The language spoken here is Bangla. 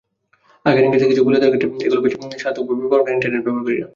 আকারে-ইঙ্গিতে কিছু বলে দেওয়ার ক্ষেত্রে এগুলো বেশ সার্থকভাবে ব্যবহারও করেন ইন্টারনেট ব্যবহারকারীরা।